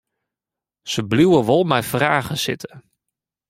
Se bliuwe wol mei fragen sitten.